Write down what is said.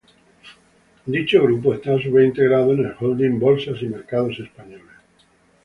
Dicho grupo está a su vez integrado en el holding Bolsas y Mercados Españoles.